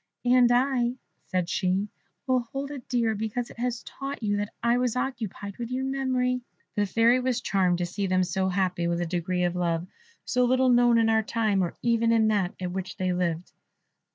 "And I," said she, "will hold it dear, because it has taught you that I was occupied with your memory." The Fairy was charmed to see them so happy, with a degree of love so little known in our time or even in that at which they lived.